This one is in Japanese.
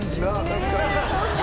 確かに。